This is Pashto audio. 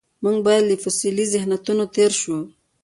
موږ باید له فوسیلي ذهنیتونو تېر شو.